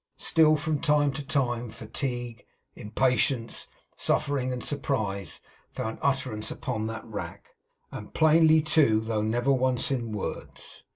Still, from time to time, fatigue, impatience, suffering, and surprise, found utterance upon that rack, and plainly too, though never once in words.